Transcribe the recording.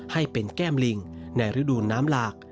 ให้เป็นแก้มลิงในฤดูน้ำหลาก